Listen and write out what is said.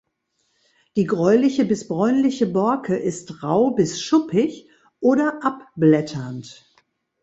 Die gräuliche bis bräunliche Borke ist rau bis schuppig oder abblätternd.